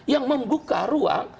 yang membuka ruang